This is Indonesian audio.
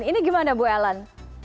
ini gimana ibu ellen